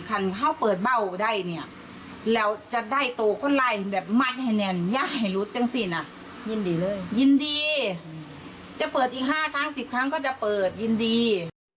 จะเปิดอีก๕ครั้ง๑๐ครั้งก็จะเปิดยินดี